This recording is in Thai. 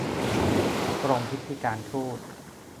กรมพิธีการทูต